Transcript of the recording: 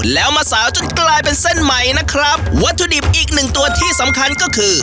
แล้วมาสาวจนกลายเป็นเส้นใหม่นะครับวัตถุดิบอีกหนึ่งตัวที่สำคัญก็คือ